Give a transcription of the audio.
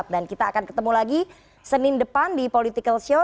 dan kita akan ketemu lagi senin depan di political show